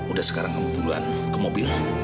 udah sekarang kamu duluan ke mobil